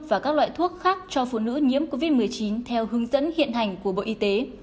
và các loại thuốc khác cho phụ nữ nhiễm covid một mươi chín theo hướng dẫn hiện hành của bộ y tế